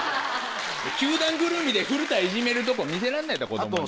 球団ぐるみで古田いじめるとこ見せらんないんだ子供に。